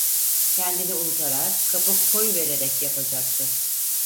Kendini unutarak, kapıp koyuvererek yapacaktı.